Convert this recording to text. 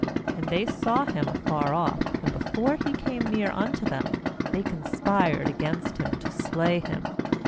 18And they saw him afar off, and before he came near unto them, they conspired against him to slay him.